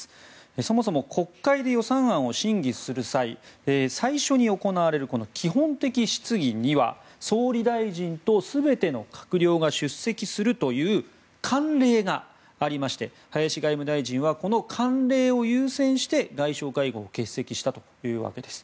そもそも国会で予算案を審議する際最初に行われる基本的質疑には総理大臣と全ての閣僚が出席するという慣例がありまして林外務大臣はこの慣例を優先して外相会合を欠席したというわけです。